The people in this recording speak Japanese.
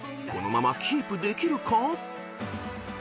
このままキープできるか？］